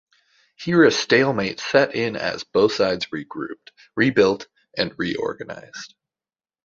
Here a stalemate set in as both sides regrouped, rebuilt and reorganised.